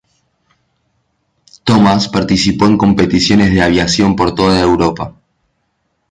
Thomas participó en competiciones de aviación por toda Europa.